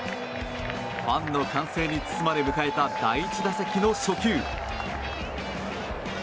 ファンの歓声に包まれ迎えた第１打席の初球。